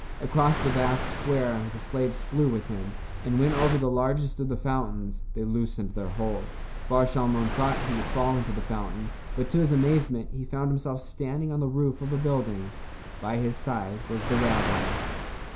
Across the vast square the slaves flew with him, and when over the largest of the fountains they loosened their hold. Bar Shalmon thought he would fall into the fountain, but to his amazement he found himself standing on the roof of a building. By his side was the rabbi.